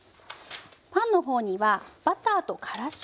パンの方にはバターとからしを塗ります。